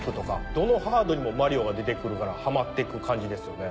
どのハードにもマリオが出てくるからハマってく感じですよね。